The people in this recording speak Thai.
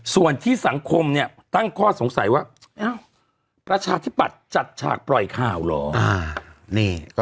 ส่วนที่สังคมเนี่ยตั้งข้อสงสัยว่าประชาธิปัตย์จัดฉากปล่อยข่าวเหรอ